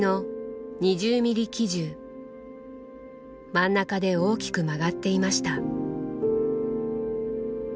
真ん中で大きく曲がっていました。